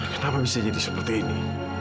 kenapa bisa jadi seperti ini